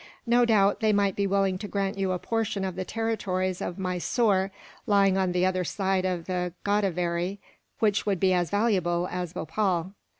"No doubt, they might be willing to grant you a portion of the territories of Mysore, lying on the other side of the Godavery, which would be as valuable as Bhopal."